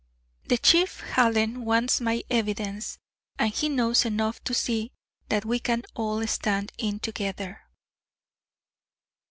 The Chief, Hallen, wants my evidence, and he knows enough to see that we can all stand in together."